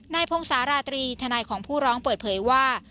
พงศาลาตรีทนายของผู้ร้องเปิดเผยว่า